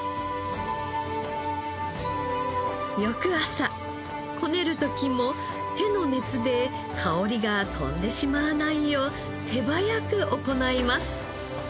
翌朝こねる時も手の熱で香りが飛んでしまわないよう手早く行います。